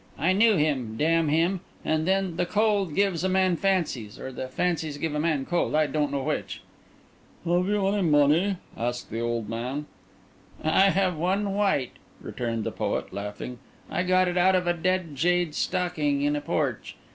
"I knew him—damn him! And then the cold gives a man fancies—or the fancies give a man cold, I don't know which." "Have you any money?" asked the old man. "I have one white," returned the poet, laughing. "I got it out of a dead jade's stocking in a porch.